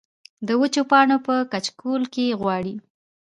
د وچو پاڼو پۀ کچکول کې غواړي